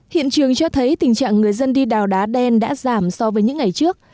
hiện trường cho thấy tình trạng người dân đi đào đá đen đã giảm so với những ngày trước